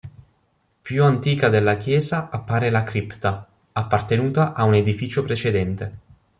Più antica della chiesa appare la cripta, appartenuta a un edificio precedente.